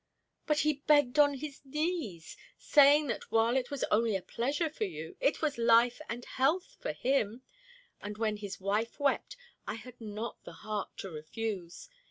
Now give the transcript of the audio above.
"But he begged on his knees, saying that while it was only a pleasure for you, it was life and health for him, and when his wife wept, I had not the heart to refuse.